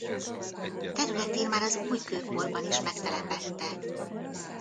Területén már az újkőkorban is megtelepedtek.